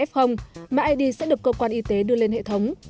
f mà id sẽ được cơ quan y tế đưa lên hệ thống